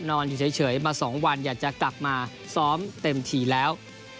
อยู่เฉยมา๒วันอยากจะกลับมาซ้อมเต็มทีแล้ว